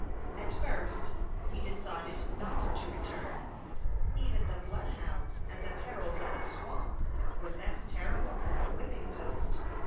At first, he decided not to return. Even the bloodhounds and the perils of the swamp were less terrible than the whipping post.